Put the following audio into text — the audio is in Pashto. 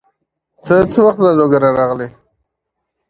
ته څه وخت له لوګره راغلې؟